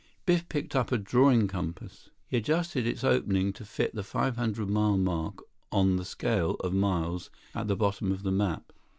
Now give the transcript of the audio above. Biff picked up a drawing compass. He adjusted its opening to fit the five hundred mile mark on the scale of miles at the bottom of the map.